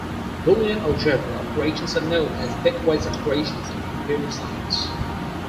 Boolean algebra operations are known as "bitwise operations" in computer science.